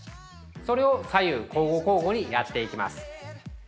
それを左右交互交互にやっていきます。